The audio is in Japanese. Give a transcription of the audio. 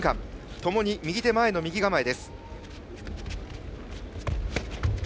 ともに右手が前の右構え。